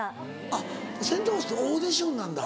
あっセント・フォースってオーディションなんだ。